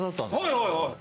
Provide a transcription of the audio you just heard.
はいはいはい。